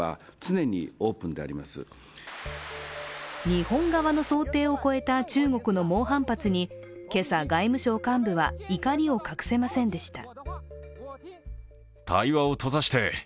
日本側の想定を超えた中国の猛反発に今朝、外務省幹部は怒りを隠せませんでした。